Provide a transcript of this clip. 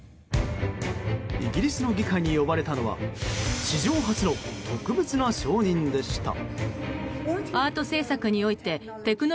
イギリスの議会に呼ばれたのは史上初の特別な証人でした。